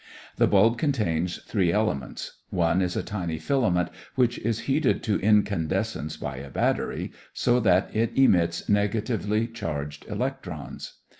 The bulb contains three elements. One is a tiny filament which is heated to incandescence by a battery, so that it emits negatively charged electrons.